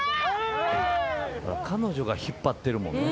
彼女が引っ張ってるもんな。